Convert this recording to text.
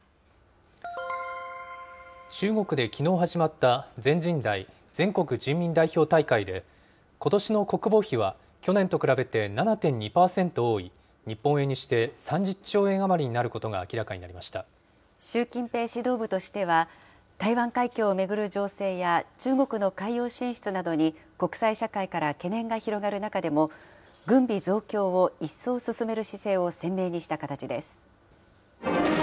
中国できのう始まった全人代・全国人民代表大会で、ことしの国防費は、去年と比べて７．２％多い日本円にして３０兆円余りになることが習近平指導部としては、台湾海峡を巡る情勢や、中国の海洋進出などに国際社会から懸念が広がる中でも軍備増強を一層進める姿勢を鮮明にした形です。